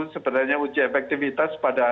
sebenarnya uji efektivitas